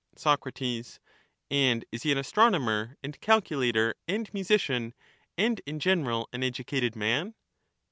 Soc, And is he an astronomer and calculator and musician, and in general an educated man